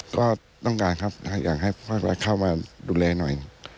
ก็ต้องการครับอยากให้ภาครัฐเข้ามาดูแลหน่อย